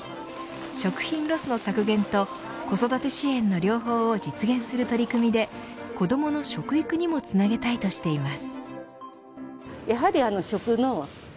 食品ロスの削減と子育て支援の両方を実現する取り組みで子どもの食育にもつなげたいとしています。